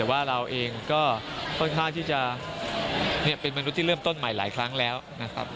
แต่ว่าเราเองก็ค่อนข้างที่จะเป็นมนุษย์ที่เริ่มต้นใหม่หลายครั้งแล้วนะครับ